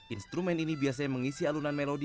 instrumen ini biasanya mengisi alunan melodi